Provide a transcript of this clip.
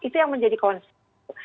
itu yang menjadi konflik